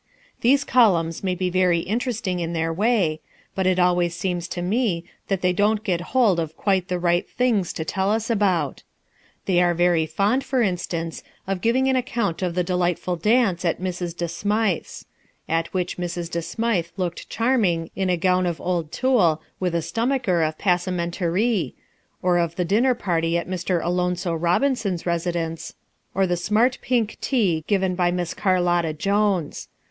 These columns may be very interesting in their way, but it always seems to me that they don't get hold of quite the right things to tell us about. They are very fond, for instance, of giving an account of the delightful dance at Mrs. De Smythe's at which Mrs. De Smythe looked charming in a gown of old tulle with a stomacher of passementerie or of the dinner party at Mr. Alonzo Robinson's residence, or the smart pink tea given by Miss Carlotta Jones.